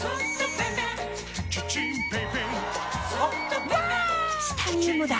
チタニウムだ！